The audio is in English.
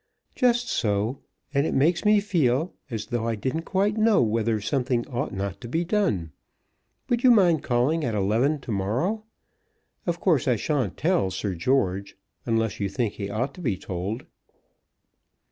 "Just so; and it makes me feel, as though I didn't quite know whether something ought not to be done. Would you mind calling at eleven to morrow? Of course I shan't tell Sir George, unless you think he ought to be told."